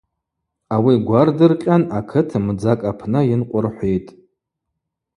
Ауи гвардыркъьан акыт мдзакӏ апны йынкъвырхӏвитӏ.